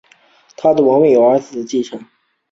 他的王位由儿子法尔纳乔姆继承。